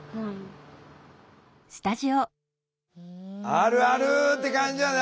あるあるって感じやね